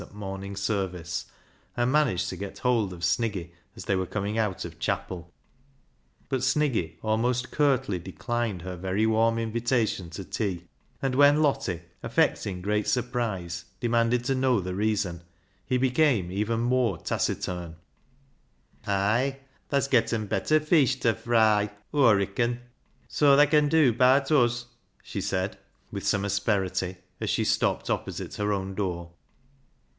at morning service, and managed to get hold of Sniggy as they were coming out of chapel. 126 BECKSIDE LIGHTS But Sniggy almost curtly declined her very warm invitation to tea, and when Lottie, affect ing great surprise, demanded to know the reason, he became even more taciturn. " Ay ! tha's getten bet ter feesh ta fry. Aw reacon. Soa thaa con dew baat uz," she said with some asperity, as she stopped opposite her own door.